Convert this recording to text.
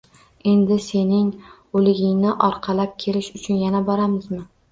Endi, sening... o‘ligingni orqalab kelish uchun yana boramizmi?